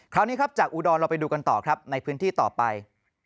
คราวนี้ครับจากอุดรเราไปดูกันต่อครับในพื้นที่ต่อไป